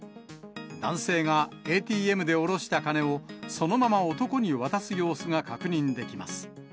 男性がＡＴＭで下ろした金を、そのまま男に渡す様子が確認できます。